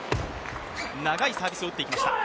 長いサービスを打っていきました。